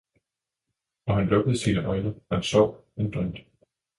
og han lukkede sine øjne, han sov, han drømte.